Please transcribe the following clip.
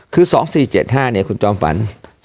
คือ๒๔๗๕เนี่ยคุณจอมฝัน